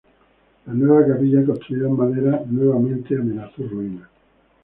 La nueva capilla construida en madera nuevamente amenazó ruina.